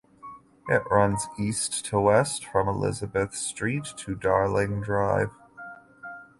It runs east to west from Elizabeth Street to Darling Drive.